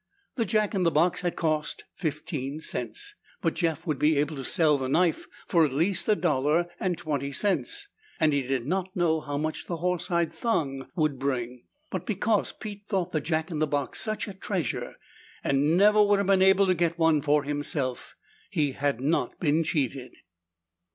The jack in the box had cost fifteen cents, but Jeff would be able to sell the knife for at least a dollar and twenty cents, and he did not know how much the horsehide thong would bring. But because Pete thought the jack in the box such a treasure, and never would have been able to get one for himself, he hadn't been cheated.